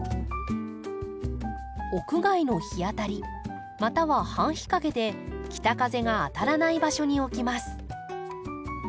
屋外の日当たりまたは半日陰で北風が当たらない場所に置きます。